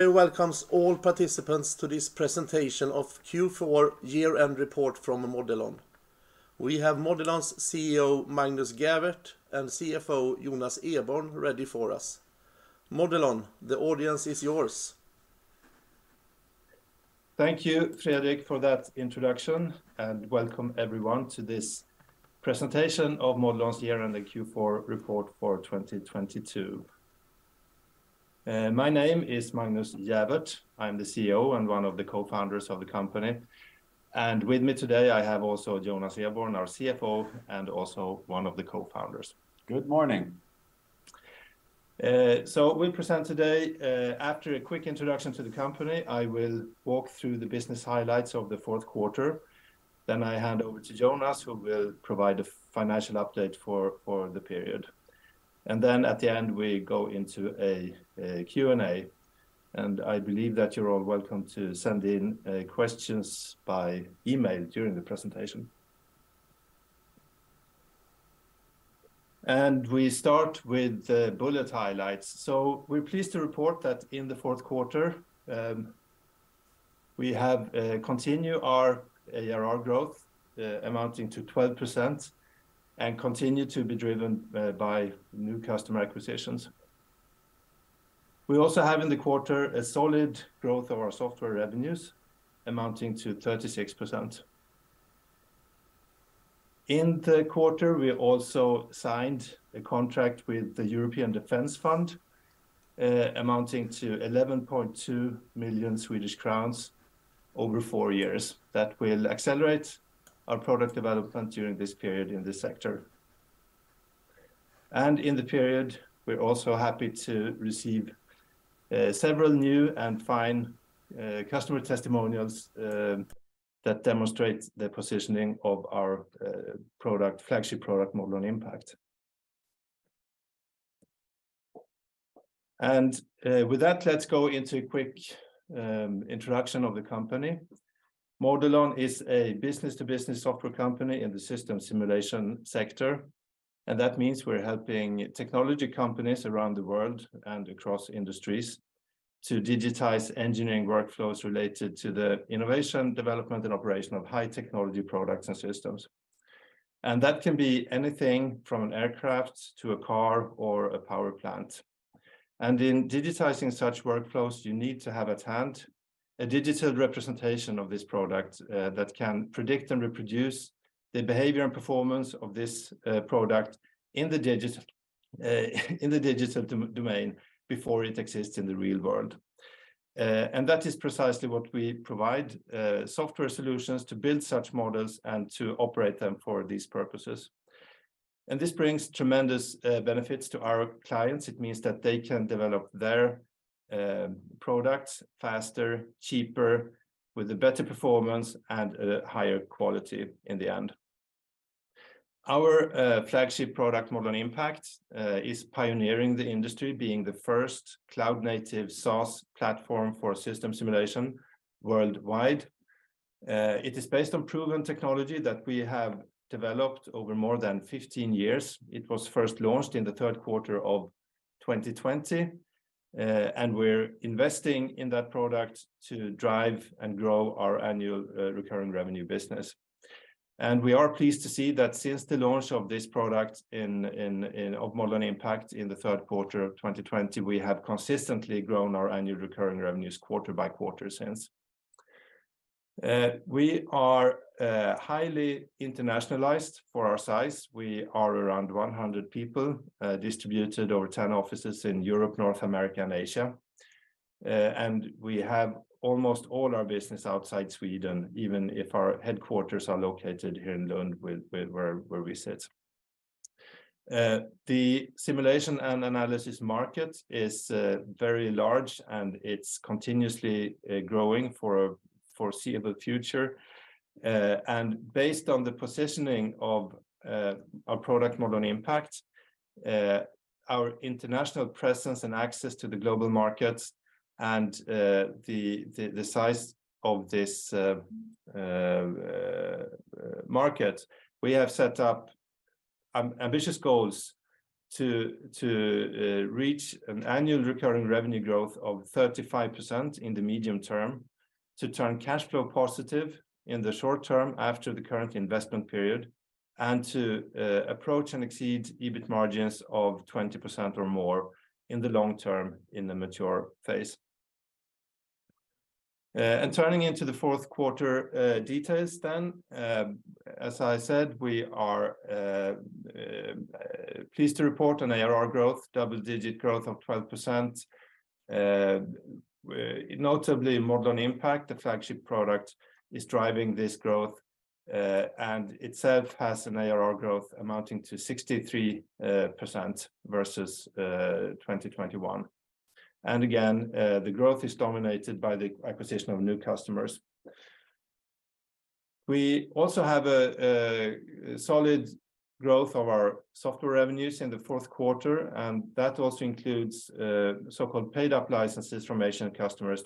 Welcomes all participants to this presentation of Q4 year-end report from Modelon. We have Modelon's CEO, Magnus Gäfvert, and CFO, Jonas Eborn, ready for us. Modelon, the audience is yours. Thank you, Fredrik, for that introduction. Welcome everyone to this presentation of Modelon's year-end and Q4 report for 2022. My name is Magnus Gäfvert. I'm the CEO and one of the cofounders of the company. With me today, I have also Jonas Eborn, our CFO, and also one of the cofounders. Good morning. We present today, after a quick introduction to the company, I will walk through the business highlights of the fourth quarter. I hand over to Jonas, who will provide a financial update for the period. At the end, we go into a Q&A, I believe that you're all welcome to send in questions by email during the presentation. We start with the bullet highlights. We're pleased to report that in the fourth quarter, we have continue our ARR growth, amounting to 12% and continue to be driven by new customer acquisitions. We also have in the quarter a solid growth of our software revenues amounting to 36%. In the quarter, we also signed a contract with the European Defence Fund, amounting to EUR 11.2 million over four years that will accelerate our product development during this period in this sector. In the period, we're also happy to receive several new and fine customer testimonials that demonstrate the positioning of our flagship product, Modelon Impact. With that, let's go into a quick introduction of the company. Modelon is a business-to-business software company in the system simulation sector, and that means we're helping technology companies around the world and across industries to digitize engineering workflows related to the innovation, development, and operation of high-technology products and systems. That can be anything from an aircraft to a car or a power plant. In digitizing such workflows, you need to have at hand a digital representation of this product that can predict and reproduce the behavior and performance of this product in the digital domain before it exists in the real world. That is precisely what we provide software solutions to build such models and to operate them for these purposes. This brings tremendous benefits to our clients. It means that they can develop their products faster, cheaper, with a better performance and a higher quality in the end. Our flagship product, Modelon Impact, is pioneering the industry, being the first cloud-native SaaS platform for system simulation worldwide. It is based on proven technology that we have developed over more than 15 years. It was first launched in the third quarter of 2020, and we're investing in that product to drive and grow our annual recurring revenue business. We are pleased to see that since the launch of this product of Modelon Impact in the third quarter of 2020, we have consistently grown our annual recurring revenues quarter by quarter since. We are highly internationalized for our size. We are around 100 people, distributed over 10 offices in Europe, North America, and Asia. We have almost all our business outside Sweden, even if our headquarters are located here in Lund where we sit. The simulation and analysis market is very large, and it's continuously growing for a foreseeable future. Based on the positioning of our product, Modelon Impact, our international presence and access to the global markets and the size of this market, we have set up ambitious goals to reach an annual recurring revenue growth of 35% in the medium term, to turn cash flow positive in the short term after the current investment period, and to approach and exceed EBIT margins of 20% or more in the long term in the mature phase. Turning into the fourth quarter details then, as I said, we are pleased to report an ARR growth, double-digit growth of 12%. Notably, Modelon Impact, the flagship product, is driving this growth, and itself has an ARR growth amounting to 63% versus 2021. Again, the growth is dominated by the acquisition of new customers. We also have a solid growth of our software revenues in the fourth quarter, and that also includes so-called paid-up licenses from Asian customers.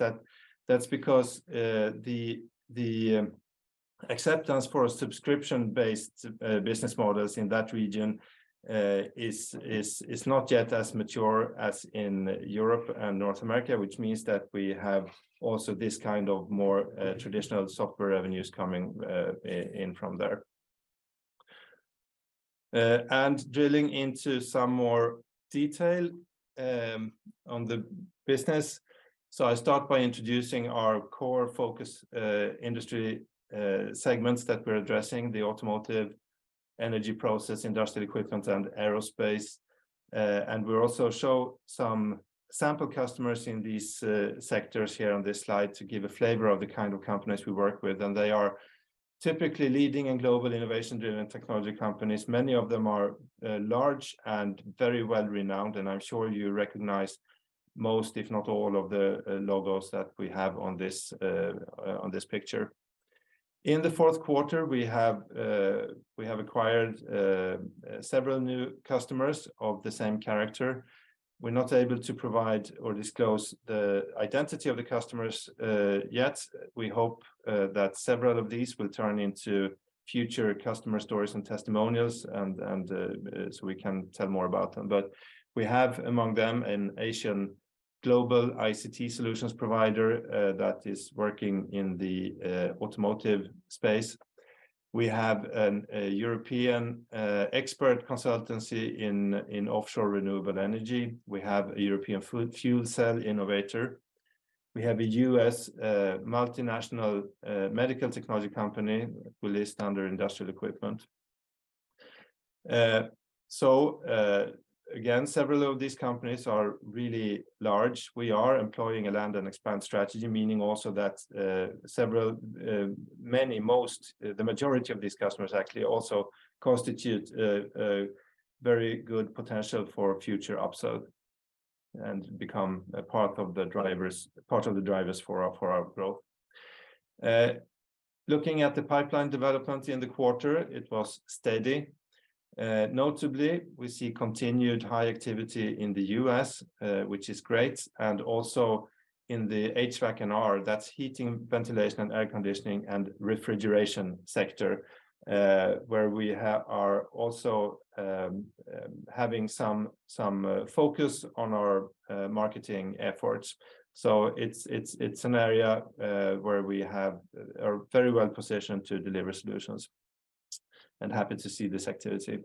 That's because the Acceptance for subscription-based business models in that region is not yet as mature as in Europe and North America, which means that we have also this kind of more traditional software revenues coming in from there. Drilling into some more detail on the business. I start by introducing our core focus industry segments that we're addressing, the automotive, energy process, industrial equipment, and aerospace. We'll also show some sample customers in these sectors here on this slide to give a flavor of the kind of companies we work with. They are typically leading and global innovation-driven technology companies. Many of them are large and very well-renowned, and I'm sure you recognize most, if not all, of the logos that we have on this picture. In the fourth quarter, we have acquired several new customers of the same character. We're not able to provide or disclose the identity of the customers yet. We hope that several of these will turn into future customer stories and testimonials and, so we can tell more about them. We have among them an Asian global ICT solutions provider that is working in the automotive space. We have a European expert consultancy in offshore renewable energy. We have a European fuel cell innovator. We have a U.S. multinational medical technology company we list under industrial equipment. Again, several of these companies are really large. We are employing a land and expand strategy, meaning also that several, many, most, the majority of these customers actually also constitute a very good potential for future upsell and become a part of the drivers for our growth. Looking at the pipeline development in the quarter, it was steady. Notably, we see continued high activity in the U.S., which is great, and also in the HVAC&R, that's heating, ventilation, and air conditioning and refrigeration sector, where we are also having some focus on our marketing efforts. It's an area where we have a very well-positioned to deliver solutions and happy to see this activity.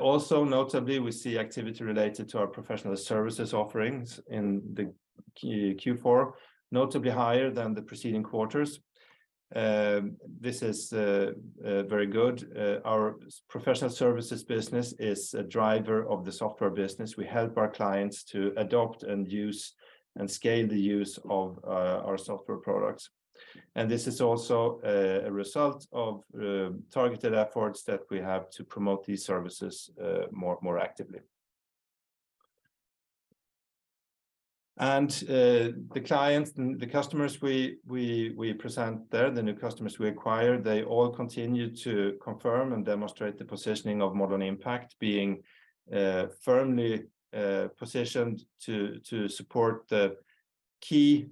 Also notably, we see activity related to our professional services offerings in the Q4, notably higher than the preceding quarters. This is very good. Our professional services business is a driver of the software business. We help our clients to adopt and use and scale the use of our software products. This is also a result of targeted efforts that we have to promote these services more actively. The clients and the customers we present there, the new customers we acquired, they all continue to confirm and demonstrate the positioning of Modelon Impact being firmly positioned to support the key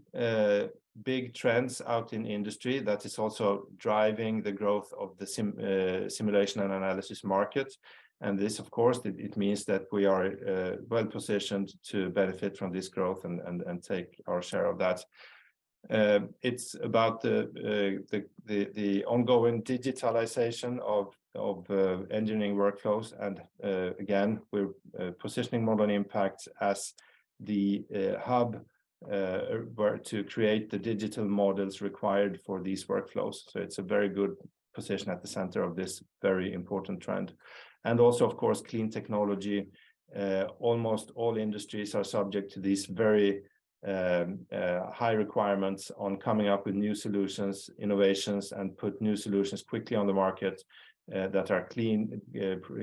big trends out in industry that is also driving the growth of the simulation and analysis market. This, of course, it means that we are well-positioned to benefit from this growth and take our share of that. It's about the ongoing digitalization of engineering workflows. Again, we're positioning Modelon Impact as the hub where to create the digital models required for these workflows. It's a very good position at the center of this very important trend. Also, of course, clean technology. Almost all industries are subject to these very high requirements on coming up with new solutions, innovations, and put new solutions quickly on the market that are clean,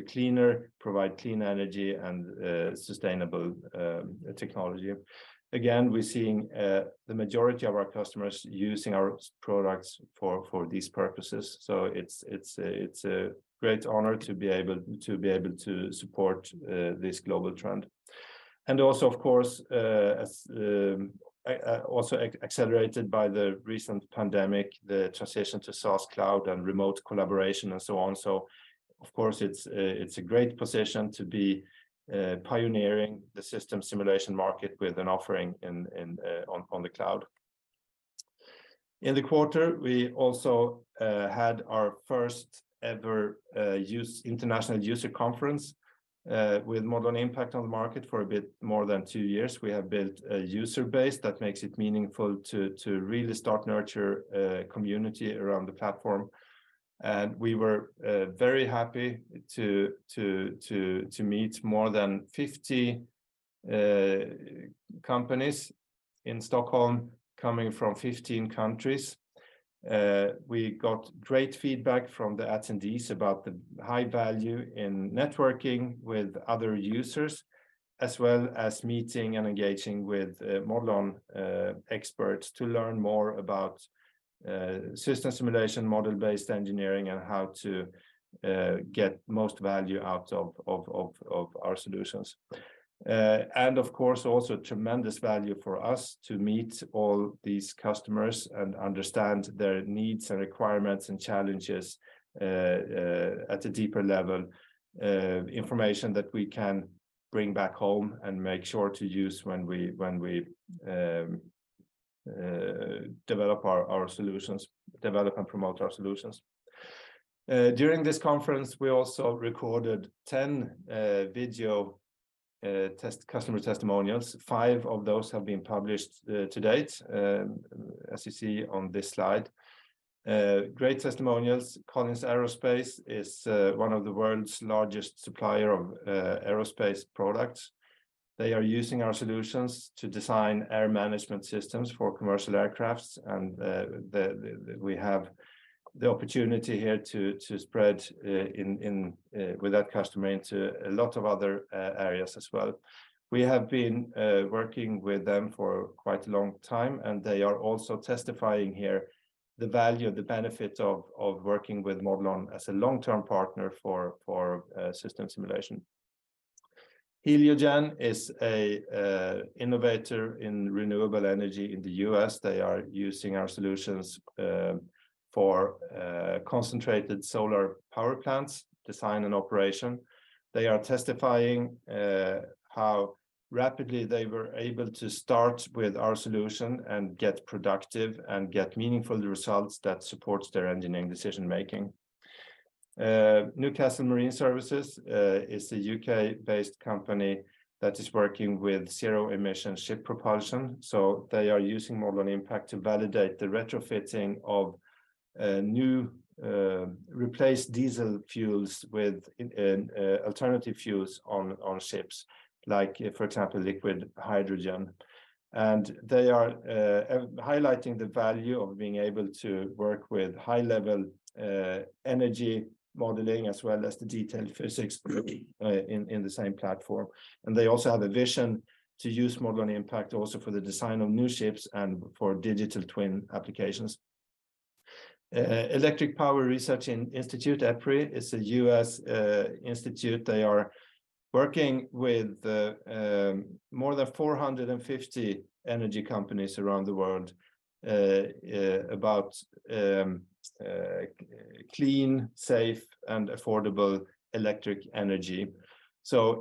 cleaner, provide clean energy, and sustainable technology. Again, we're seeing the majority of our customers using our products for these purposes. It's a great honor to be able to support this global trend. Also, of course, as accelerated by the recent pandemic, the transition to SaaS cloud and remote collaboration and so on. Of course, it's a great position to be pioneering the system simulation market with an offering in on the cloud. In the quarter, we also had our first ever international user conference with Modelon Impact on the market for a bit more than two years. We have built a user base that makes it meaningful to really start nurture community around the platform. We were very happy to meet more than 50 companies in Stockholm coming from 15 countries. We got great feedback from the attendees about the high value in networking with other users, as well as meeting and engaging with Modelon experts to learn more about system simulation, model-based engineering, and how to get most value out of our solutions. Of course, also tremendous value for us to meet all these customers and understand their needs and requirements and challenges at a deeper level. Information that we can bring back home and make sure to use when we develop our solutions, develop and promote our solutions. During this conference, we also recorded 10 video customer testimonials. 5 of those have been published to date as you see on this slide. Great testimonials. Collins Aerospace is one of the world's largest supplier of aerospace products. They are using our solutions to design air management systems for commercial aircrafts and we have the opportunity here to spread in with that customer into a lot of other areas as well. We have been working with them for quite a long time and they are also testifying here the value, the benefit of working with Modelon as a long-term partner for system simulation. Heliogen is a innovator in renewable energy in the U.S. They are using our solutions for concentrated solar power plants, design and operation. They are testifying how rapidly they were able to start with our solution and get productive and get meaningful results that supports their engineering decision-making. Newcastle Marine Services is a U.K.-based company that is working with zero-emission ship propulsion. They are using Modelon Impact to validate the retrofitting of new replaced diesel fuels with alternative fuels on ships, like, for example, liquid hydrogen. They are highlighting the value of being able to work with high-level energy modeling as well as the detailed physics in the same platform. They also have a vision to use Modelon Impact also for the design of new ships and for digital twin applications. Electric Power Research Institute, EPRI, is a U.S. institute. They are working with more than 450 energy companies around the world about clean, safe, and affordable electric energy.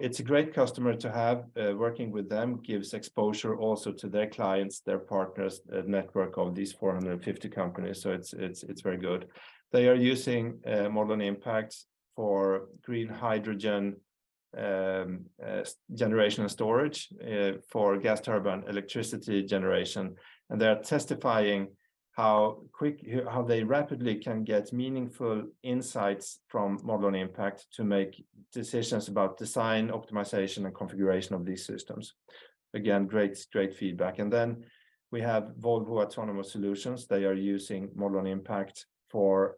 It's a great customer to have. Working with them gives exposure also to their clients, their partners, a network of these 450 companies. It's very good. They are using Modelon Impact for green hydrogen generation and storage for gas turbine electricity generation. They are testifying how quick, how they rapidly can get meaningful insights from Modelon Impact to make decisions about design, optimization, and configuration of these systems. Again, great feedback. We have Volvo Autonomous Solutions. They are using Modelon Impact for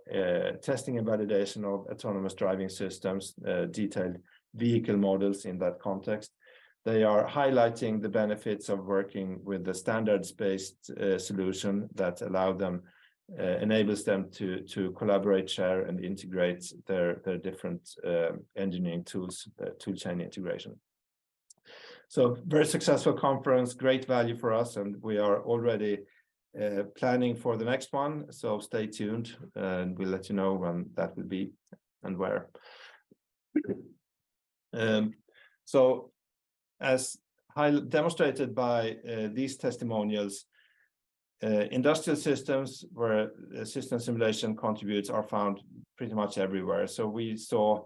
testing and validation of autonomous driving systems, detailed vehicle models in that context. They are highlighting the benefits of working with the standards-based solution that allow them, enables them to collaborate, share, and integrate their different engineering tools, tool chain integration. Very successful conference, great value for us, and we are already planning for the next one. Stay tuned, and we'll let you know when that will be and where. As demonstrated by these testimonials, industrial systems where system simulation contributes are found pretty much everywhere. We saw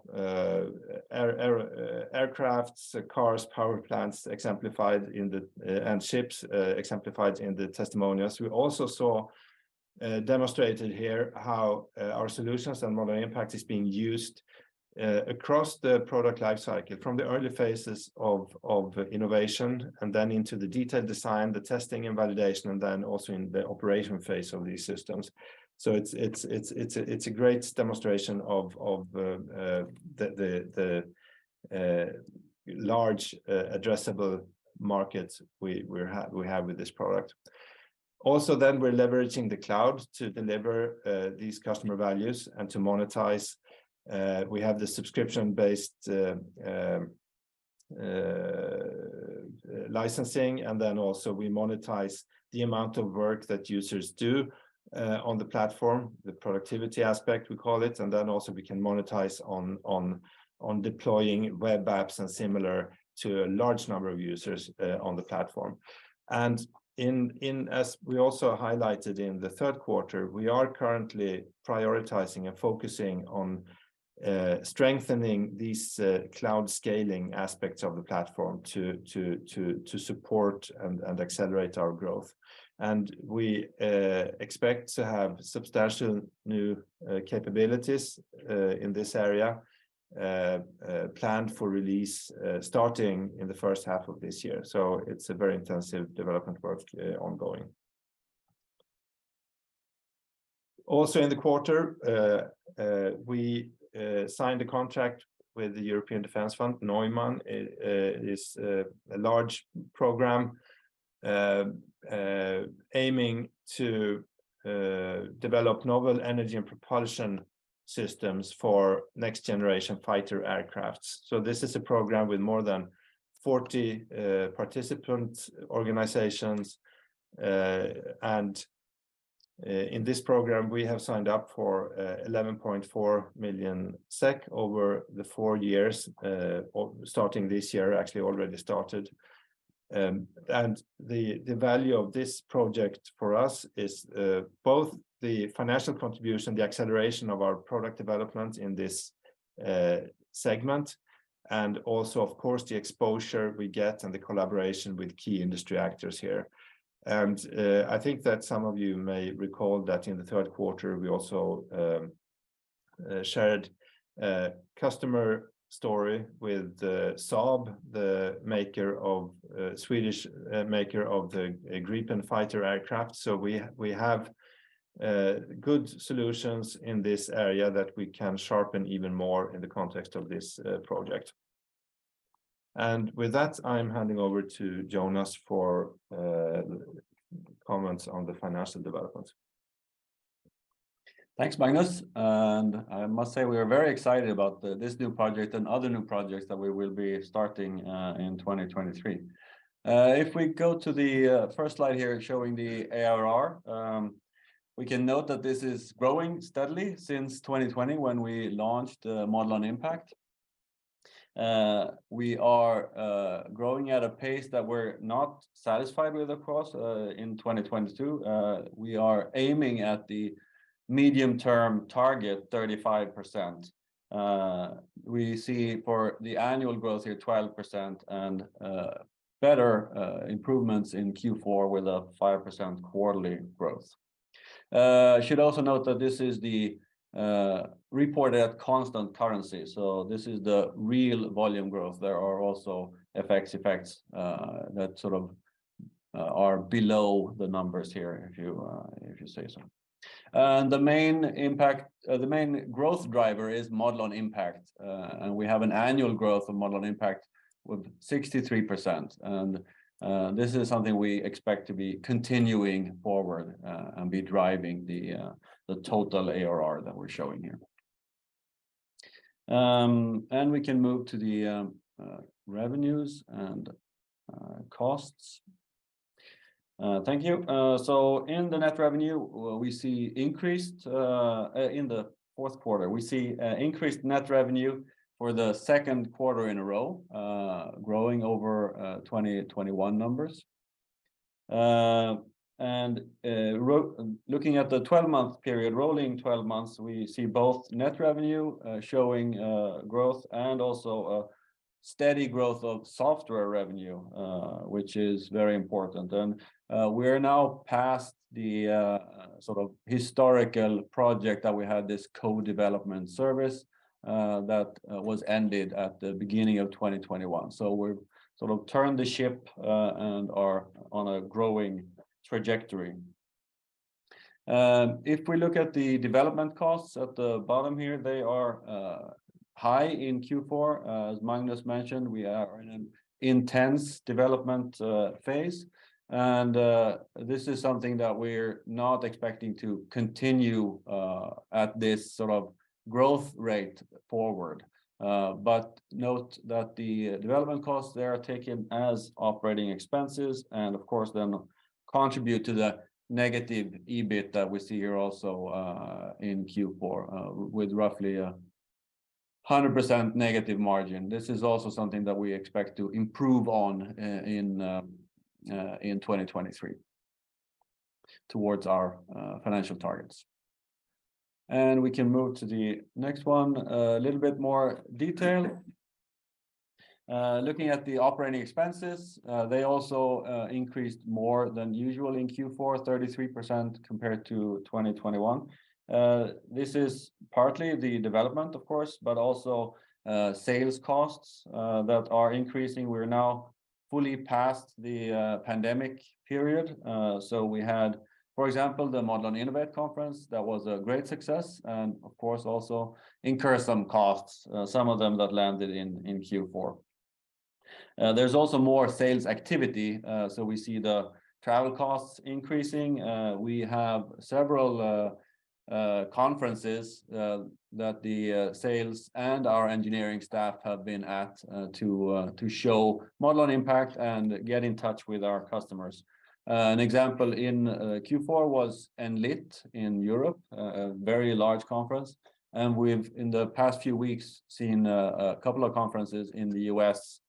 aircrafts, cars, power plants exemplified in the and ships exemplified in the testimonials. We also saw demonstrated here how our solutions and Modelon Impact is being used across the product life cycle, from the early phases of innovation and then into the detailed design, the testing and validation, and then also in the operation phase of these systems. It's a great demonstration of the large addressable market we have with this product. Also, we're leveraging the cloud to deliver these customer values and to monetize. We have the subscription-based licensing, and then also we monetize the amount of work that users do on the platform, the productivity aspect we call it. Also we can monetize on deploying web apps and similar to a large number of users on the platform. In as we also highlighted in the third quarter, we are currently prioritizing and focusing on strengthening these cloud scaling aspects of the platform to support and accelerate our growth. We expect to have substantial new capabilities in this area planned for release starting in the first half of this year. It's a very intensive development work ongoing. Also in the quarter, we signed a contract with the European Defence Fund. NEUMANN is a large program aiming to develop novel energy and propulsion systems for next generation fighter aircraft. This is a program with more than 40 participant organizations. In this program, we have signed up for EUR 11.4 million over the four years, or starting this year, actually already started. The value of this project for us is both the financial contribution, the acceleration of our product development in this segment, and also of course, the exposure we get and the collaboration with key industry actors here. I think that some of you may recall that in the third quarter, we also shared a customer story with Saab, the maker of Swedish maker of the Gripen fighter aircraft. We have good solutions in this area that we can sharpen even more in the context of this project. With that, I'm handing over to Jonas for comments on the financial development. Thanks, Magnus. I must say we are very excited about the, this new project and other new projects that we will be starting in 2023. If we go to the first slide here showing the ARR, we can note that this is growing steadily since 2020 when we launched Modelon Impact. We are growing at a pace that we're not satisfied with across in 2022. We are aiming at the medium-term target, 35%. We see for the annual growth here, 12% and better improvements in Q4 with a 5% quarterly growth. Should also note that this is the report at constant currency. This is the real volume growth. There are also FX effects that sort of are below the numbers here, if you say so. The main growth driver is Modelon Impact. We have an annual growth of Modelon Impact with 63%. This is something we expect to be continuing forward and be driving the total ARR that we're showing here. We can move to the revenues and costs. Thank you. In the net revenue, we see increased in the fourth quarter, we see increased net revenue for the second quarter in a row, growing over 2021 numbers. Looking at the 12-month period, rolling 12 months, we see both net revenue showing growth and also a steady growth of software revenue, which is very important. We're now past the sort of historical project that we had this co-development service that was ended at the beginning of 2021. We've sort of turned the ship and are on a growing trajectory. If we look at the development costs at the bottom here, they are high in Q4. As Magnus mentioned, we are in an intense development phase. This is something that we're not expecting to continue at this sort of growth rate forward. Note that the development costs, they are taken as operating expenses, and of course, then contribute to the negative EBIT that we see here also in Q4 with roughly a 100% negative margin. This is also something that we expect to improve on in 2023 towards our financial targets. We can move to the next one, a little bit more detail. Looking at the operating expenses, they also increased more than usual in Q4, 33% compared to 2021. This is partly the development, of course, but also sales costs that are increasing. We're now fully past the pandemic period. We had, for example, the Modelon Innovate conference, that was a great success, and of course, also incurred some costs, some of them that landed in Q4. There's also more sales activity, so we see the travel costs increasing. We have several conferences that the sales and our engineering staff have been at to show Modelon Impact and get in touch with our customers. An example in Q4 was Enlit in Europe, a very large conference. We've, in the past few weeks, seen a couple of conferences in the US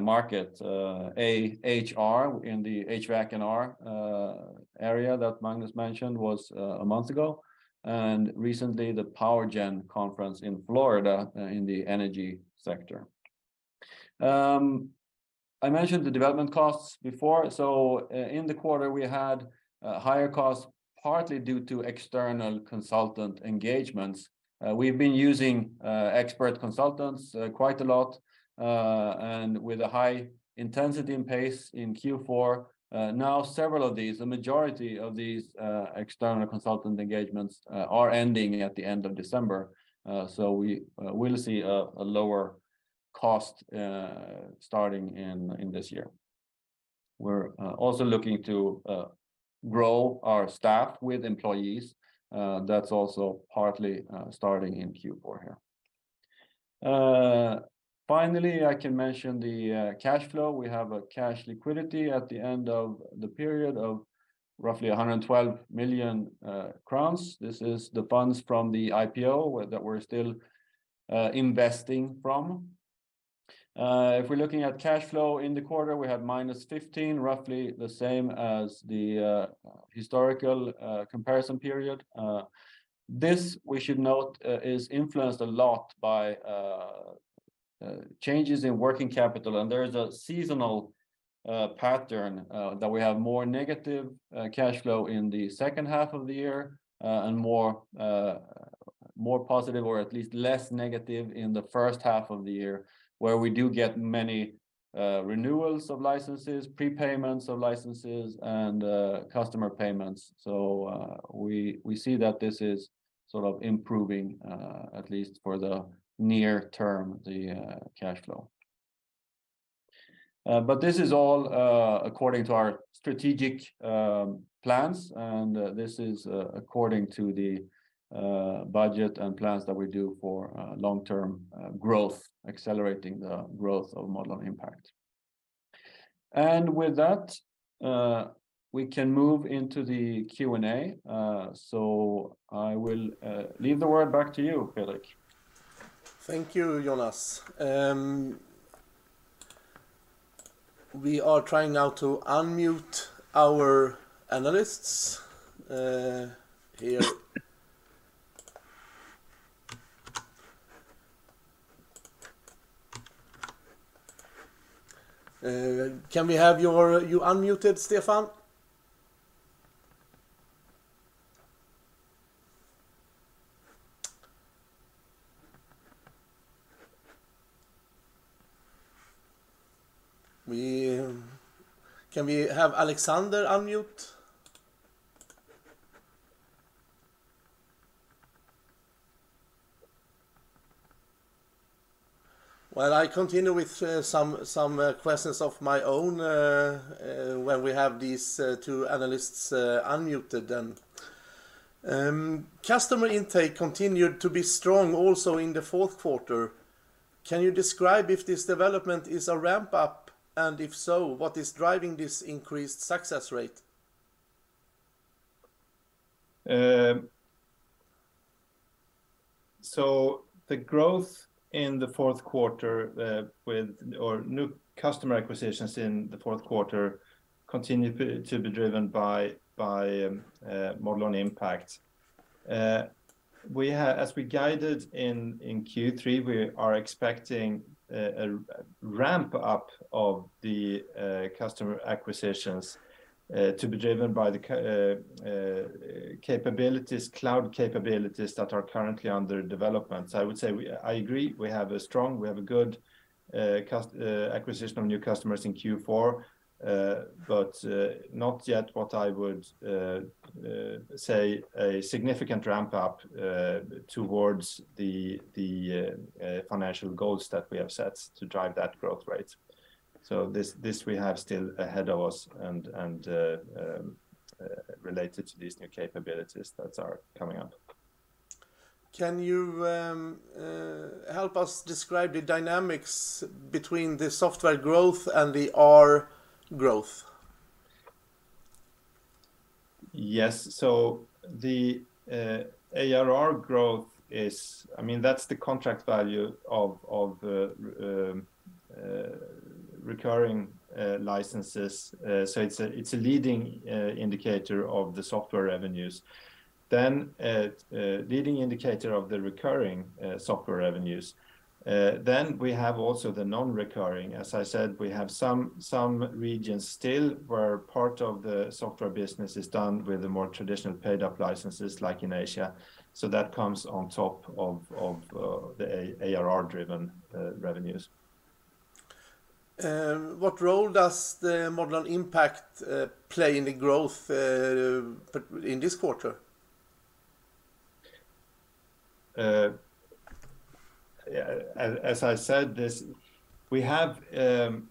market, AHR in the HVAC&R area that Magnus mentioned was a month ago, and recently the PowerGen conference in Florida in the energy sector. I mentioned the development costs before. In the quarter, we had higher costs partly due to external consultant engagements. We've been using expert consultants quite a lot, and with a high intensity and pace in Q4. Now several of these, a majority of these, external consultant engagements, are ending at the end of December. We will see a lower. Cost, starting in this year. We're also looking to grow our staff with employees. That's also partly starting in Q4 here. Finally, I can mention the cash flow. We have a cash liquidity at the end of the period of roughly EUR 112 million. This is the funds from the IPO that we're still investing from. If we're looking at cash flow in the quarter, we have -15, roughly the same as the historical comparison period. This, we should note, is influenced a lot by changes in working capital, and there is a seasonal pattern that we have more negative cash flow in the second half of the year, and more positive or at least less negative in the first half of the year, where we do get many renewals of licenses, prepayments of licenses, and customer payments. We see that this is sort of improving, at least for the near term, the cash flow. But this is all according to our strategic plans, and this is according to the budget and plans that we do for long-term growth, accelerating the growth of Modelon Impact. With that, we can move into the Q&A. I will leave the word back to you, Fredrik. Thank you, Jonas. We are trying now to unmute our analysts here. Can we have you unmuted, Stefan? Can we have Alexander unmute? While I continue with some questions of my own while we have these two analysts unmuted then. Customer intake continued to be strong also in the fourth quarter. Can you describe if this development is a ramp up, and if so, what is driving this increased success rate? The growth in the fourth quarter, new customer acquisitions in the fourth quarter continue to be driven by Modelon Impact. As we guided in Q3, we are expecting a ramp up of the customer acquisitions to be driven by the capabilities, cloud capabilities that are currently under development. I would say I agree, we have a strong, we have a good acquisition of new customers in Q4, but not yet what I would say a significant ramp up towards the financial goals that we have set to drive that growth rate. This we have still ahead of us and related to these new capabilities that are coming up. Can you help us describe the dynamics between the software growth and the ARR growth? Yes. The ARR growth, I mean, that's the contract value of recurring licenses. It's a leading indicator of the software revenues. A leading indicator of the recurring software revenues. We have also the non-recurring. As I said, we have some regions still where part of the software business is done with the more traditional paid-up licenses, like in Asia. That comes on top of the A-ARR driven revenues. What role does the Modelon Impact play in the growth in this quarter? As I said this, we have in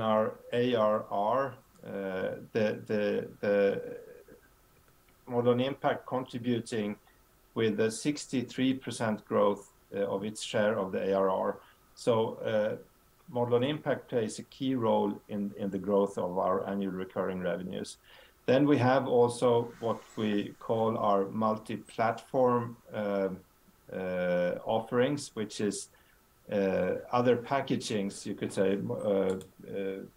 our ARR, the Modelon Impact contributing with a 63% growth of its share of the ARR. Modelon Impact plays a key role in the growth of our annual recurring revenues. We have also what we call our multi-platform offerings, which is other packagings, you could say,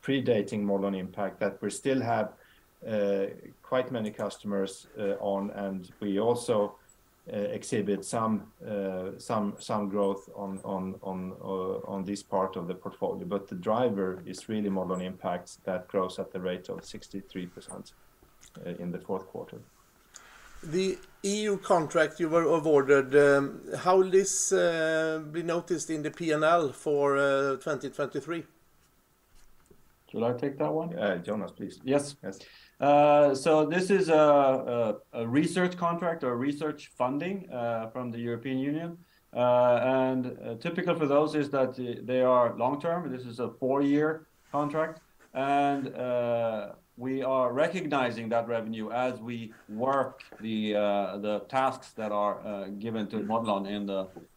predating Modelon Impact that we still have quite many customers on. We also exhibit some growth on this part of the portfolio. The driver is really Modelon Impact that grows at the rate of 63% in the fourth quarter. The EU contract you were awarded, how will this be noticed in the P&L for 2023? Should I take that one? Jonas, please. Yes. Yes. This is a research contract or research funding from the European Union. Typical for those is that they are long-term. This is a four-year contract. We are recognizing that revenue as we work the tasks that are given to Modelon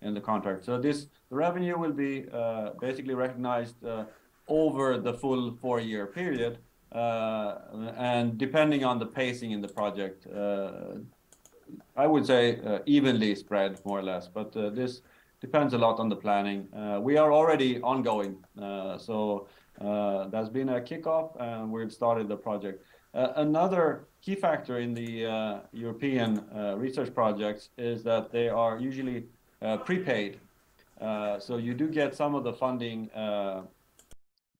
in the contract. This revenue will be basically recognized over the full four-year period. Depending on the pacing in the project, I would say evenly spread more or less, this depends a lot on the planning. We are already ongoing. There's been a kickoff, and we've started the project. Another key factor in the European research projects is that they are usually prepaid. You do get some of the funding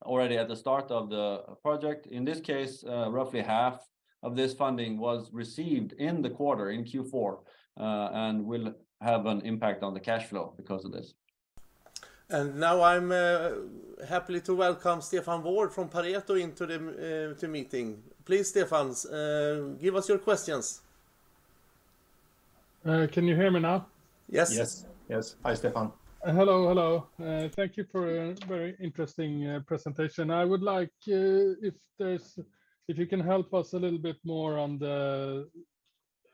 already at the start of the project. In this case, roughly half of this funding was received in the quarter, in Q4, and will have an impact on the cash flow because of this. Now I'm happily to welcome Stefan Wård from Pareto into the to meeting. Please, Stefan, give us your questions. Can you hear me now? Yes. Yes. Yes. Hi, Stefan. Hello, hello. Thank you for a very interesting presentation. I would like, if you can help us a little bit more on the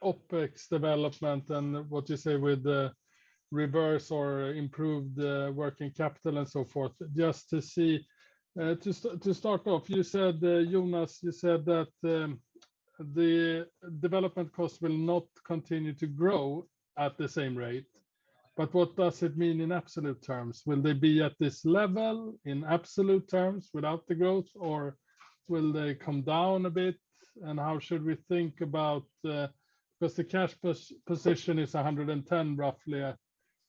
OpEx development and what you say with the reverse or improved working capital and so forth, just to see. To start off, you said, Jonas Eborn, you said that, the development cost will not continue to grow at the same rate, but what does it mean in absolute terms? Will they be at this level in absolute terms without the growth, or will they come down a bit? How should we think about, because the cash position is 110 roughly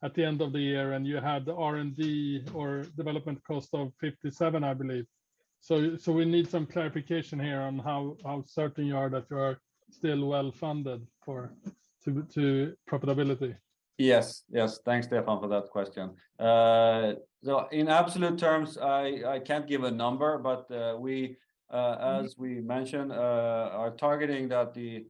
at the end of the year, and you had the R&D or development cost of 57, I believe. We need some clarification here on how certain you are that you are still well-funded to profitability. Yes. Yes. Thanks, Stefan, for that question. In absolute terms, I can't give a number, but we, as we mentioned, are targeting that the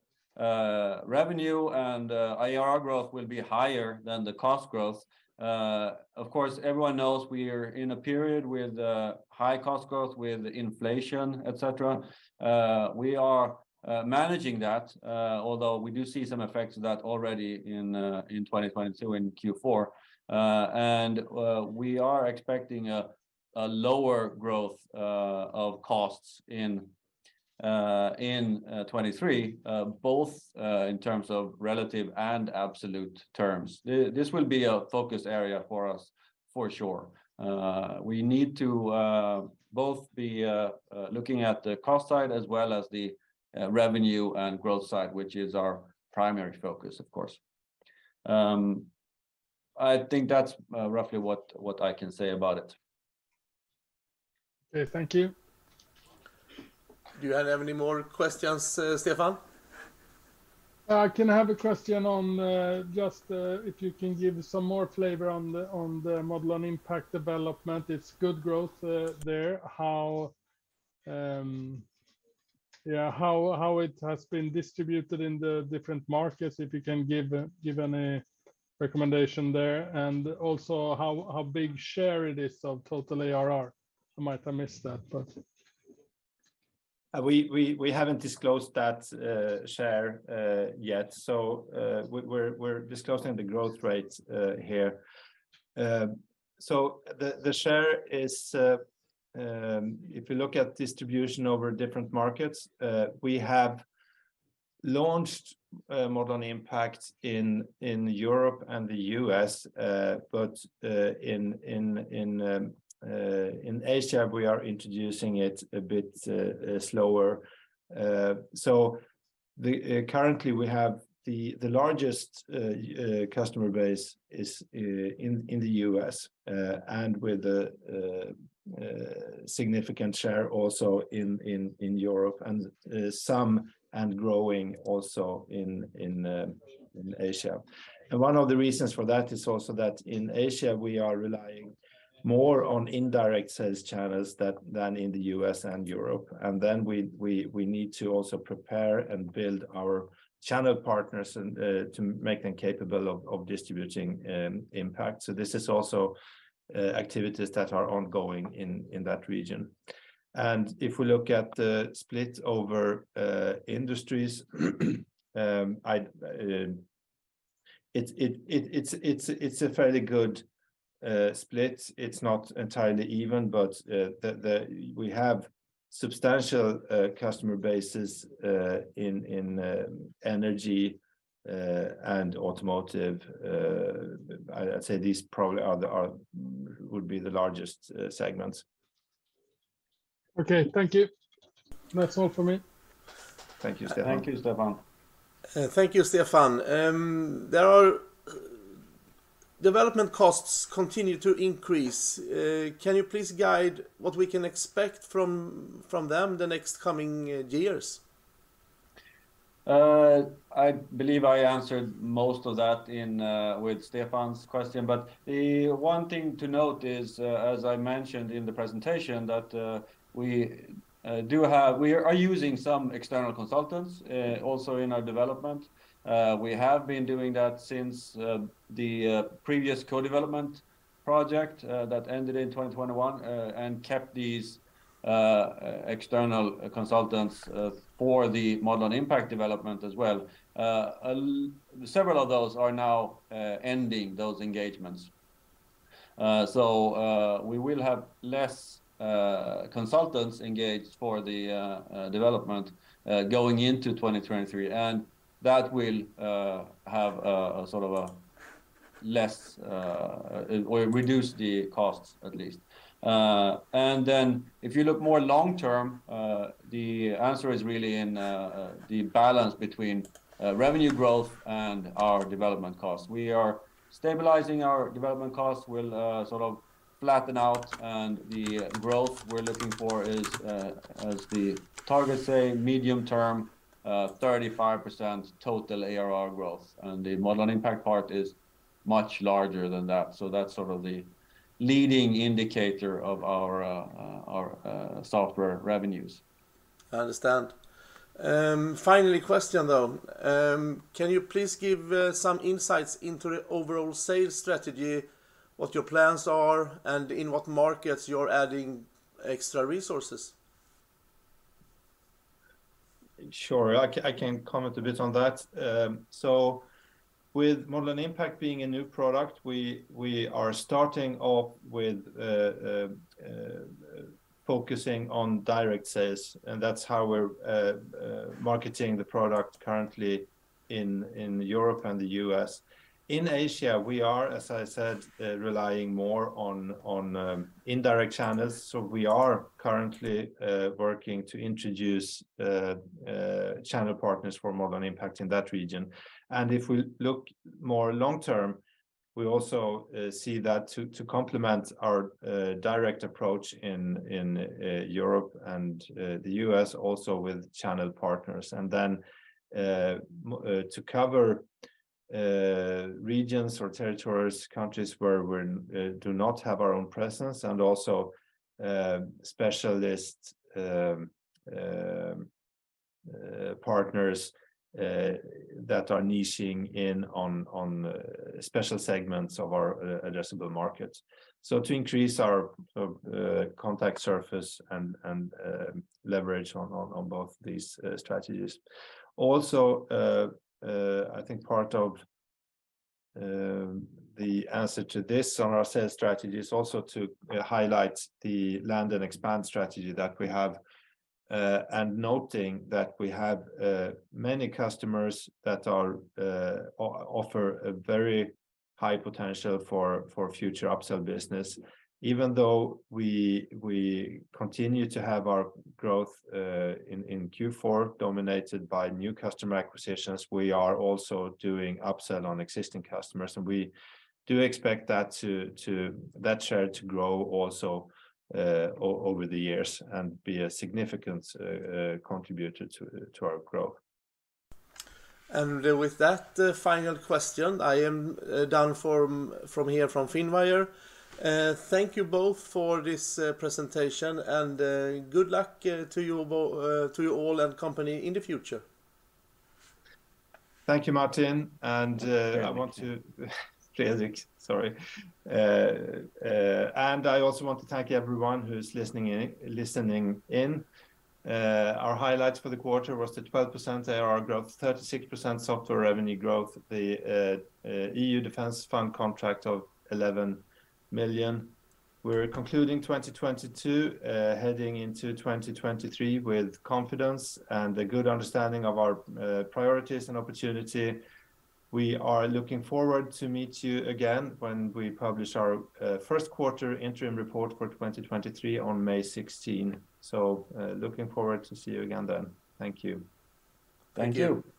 revenue and ARR growth will be higher than the cost growth. Of course, everyone knows we are in a period with high cost growth, with inflation, et cetera. We are managing that, although we do see some effects of that already in 2022 in Q4. We are expecting a lower growth of costs in 2023, both in terms of relative and absolute terms. This will be a focus area for us for sure. We need to both be looking at the cost side as well as the revenue and growth side, which is our primary focus, of course. I think that's roughly what I can say about it. Okay. Thank you. Do you have any more questions, Stefan? I can have a question on just if you can give some more flavor on the Modelon Impact development. It's good growth there. How, yeah, how it has been distributed in the different markets, if you can give any recommendation there? Also how big share it is of total ARR? I might have missed that, but. We haven't disclosed that share yet. We're disclosing the growth rates here. The share is, if you look at distribution over different markets, we have launched Modelon Impact in Europe and the U.S., in Asia, we are introducing it a bit slower. Currently we have the largest customer base in the U.S., and with a significant share also in Europe and some and growing also in Asia. One of the reasons for that is also that in Asia, we are relying more on indirect sales channels that, than in the U.S. and Europe. We need to also prepare and build our channel partners and to make them capable of distributing Impact. This is also activities that are ongoing in that region. If we look at the split over industries, it's a fairly good split. It's not entirely even, but the We have substantial customer bases in energy and automotive. I'd say these probably are the would be the largest segments. Okay. Thank you. That's all for me. Thank you, Stefan. Thank you, Stefan. Thank you, Stefan. Development costs continue to increase. Can you please guide what we can expect from them the next coming years? I believe I answered most of that in with Stefan Wård's question. The one thing to note is as I mentioned in the presentation, that we are using some external consultants also in our development. We have been doing that since the previous co-development project that ended in 2021 and kept these external consultants for the Modelon Impact development as well. Several of those are now ending those engagements. We will have less consultants engaged for the development going into 2023, and that will have a sort of a less or reduce the costs at least. Then if you look more long-term, the answer is really in the balance between revenue growth and our development costs. We are stabilizing our development costs. We'll sort of flatten out, and the growth we're looking for is as the targets say, medium term, 35% total ARR growth, and the Modelon Impact part is much larger than that. So that's sort of the leading indicator of our software revenues. I understand. Finally, question, though. Can you please give some insights into the overall sales strategy, what your plans are, and in what markets you're adding extra resources? Sure. I can comment a bit on that. With Modelon Impact being a new product, we are starting off with focusing on direct sales, and that's how we're marketing the product currently in Europe and the U.S. In Asia, we are, as I said, relying more on indirect channels, so we are currently working to introduce channel partners for Modelon Impact in that region. If we look more long-term, we also see that to complement our direct approach in Europe and the U.S. also with channel partners. To cover regions or territories, countries where we do not have our own presence and also specialist partners that are niching in on special segments of our addressable markets. To increase our contact surface and leverage on both these strategies. I think part of the answer to this on our sales strategy is also to highlight the land and expand strategy that we have and noting that we have many customers that offer a very high potential for future upsell business. Even though we continue to have our growth in Q4 dominated by new customer acquisitions, we are also doing upsell on existing customers, and we do expect that share to grow also over the years and be a significant contributor to our growth. With that, the final question, I am done from here from Finwire. Thank you both for this presentation, good luck to you all and company in the future. Thank you, Martin. Fredrik. Fredrik, sorry. I also want to thank everyone who is listening in. Our highlights for the quarter was the 12% ARR growth, 36% software revenue growth, the EU Defence Fund contract of 11 million. We're concluding 2022, heading into 2023 with confidence and a good understanding of our priorities and opportunity. We are looking forward to meet you again when we publish our first quarter interim report for 2023 on May 16. Looking forward to see you again then. Thank you. Thank you. Thank you.